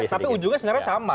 tapi ujungnya sebenarnya sama